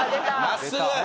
真っすぐ！